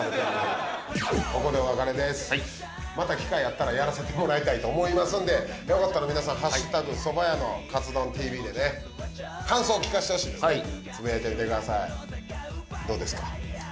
ここでお別れですまた機会あったらやらせてもらいたいと思いますんでよかったら皆さん「＃蕎麦屋のかつ丼ＴＶ」でね感想聞かせてほしいですねつぶやいてみてくださいどうですか？